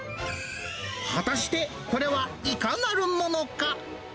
果たしてこれはいかなるものか。